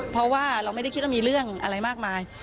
เพราะว่าเราไม่ได้คิดว่ามีเรื่องอะไรมากมาย